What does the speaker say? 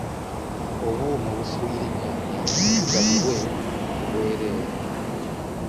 Obuuma obufuuyira ennyaanya bugabibwe ku bwereere.